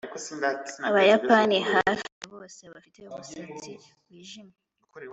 Abayapani hafi ya bose bafite umusatsi wijimye